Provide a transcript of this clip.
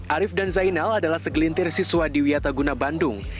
arief dan zainal adalah segelintir siswa di wiataguna bandung